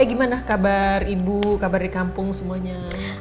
gimana kabar ibu kabar di kampung semuanya